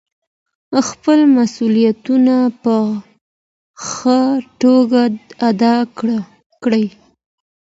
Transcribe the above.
خپل مسؤلیتونه په ښه توګه ادا کړئ.